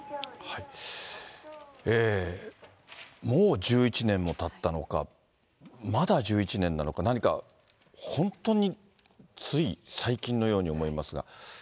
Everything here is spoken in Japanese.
もう１１年もたったのか、まだ１１年なのか、何か本当につい最近のように思いますが。